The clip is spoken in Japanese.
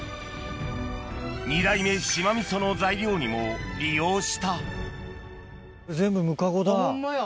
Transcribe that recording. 二代目島味噌の材料にも利用したあっホンマや。